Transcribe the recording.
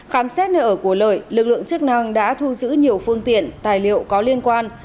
khám xét nơi ở của lợi lực lượng chức năng đã thu giữ nhiều phương tiện tài liệu có liên quan